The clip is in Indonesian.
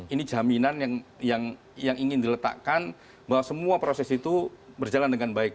ini jaminan yang ingin diletakkan bahwa semua proses itu berjalan dengan baik